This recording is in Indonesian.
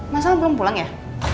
mas al belum pulang ya